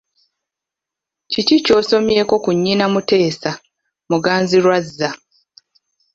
Kiki ky'osomyeko ku nnyina Muteesa, Muganzirwazza?